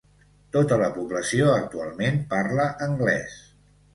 Tota la població actualment parla anglès.